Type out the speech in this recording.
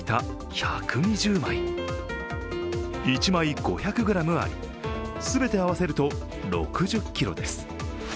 １枚５００ｇあり、全て合わせると６０ｋｇです。